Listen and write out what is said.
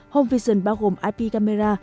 home vision bao gồm ip camera